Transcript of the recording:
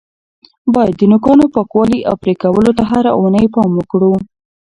باید د نوکانو پاکوالي او پرې کولو ته هره اونۍ پام وکړو.